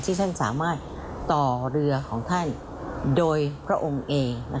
ที่ท่านสามารถต่อเรือของท่านโดยพระองค์เอ